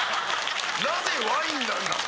なぜワインなんだ？